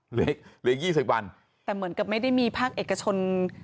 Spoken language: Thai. เหลือเหลือยี่สิบวันแต่เหมือนกับไม่ได้มีภาคเอกชน